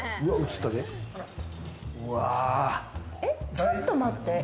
ちょっと待って。